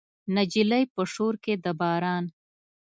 نجلۍ په شور کې د باران